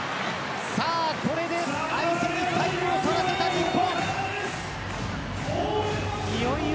これで相手にタイムを取らせた日本。